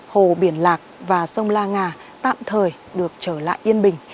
hồ biển lạc và sông la nga tạm thời được trở lại yên bình